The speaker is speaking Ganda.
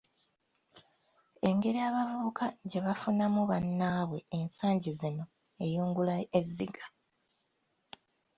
Engeri abavubuka gye bafunamu “bannaabwe” ensangi zino eyungula ezziga.